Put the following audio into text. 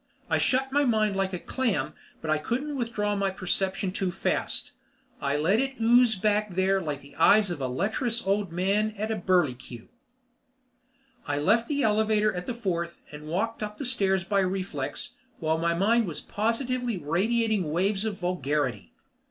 I shut my mind like a clam, but I couldn't withdraw my perception too fast. I let it ooze back there like the eyes of a lecherous old man at a burleycue. I left the elevator at the Fourth and walked up the stairs by reflex, while my mind was positively radiating waves of vulgarity.